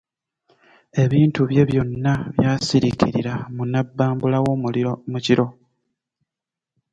Ebintu bye byonna byasirikira mu nnabbambula w'omuliro mu kiro.